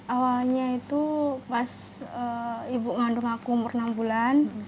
awalnya itu pas ibu ngandung aku umur enam bulan